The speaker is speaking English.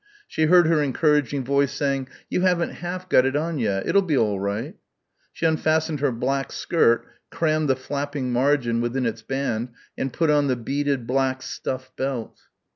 She heard her encouraging voice saying, "You haven't half got it on yet. It'll be all right." She unfastened her black skirt, crammed the flapping margin within its band and put on the beaded black stuff belt.